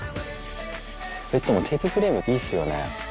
ベッドも鉄フレームいいっすよね。